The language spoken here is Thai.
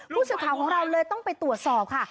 ผู้สื่อข่าวของเราเลยต้องไปตรวจสอบค่ะ